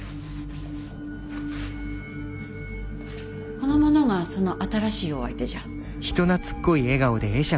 この者がその新しいお相手じゃ。